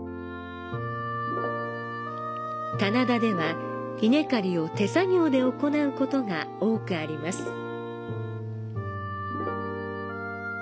棚田では、稲刈りを手作業で行うことが多くあります。